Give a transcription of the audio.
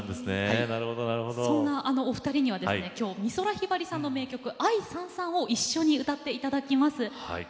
そんなお二人には美空ひばりさんの名曲「愛燦燦」を一緒に歌っていただきます。